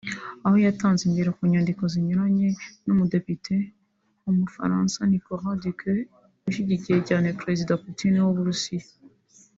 Aho yatanze ingero ku nyandiko zinyuzwamo n’umudepite UmufaransaNicolas Dhuicq ushyigikiye cyane Perezida Putin w’u Burusiya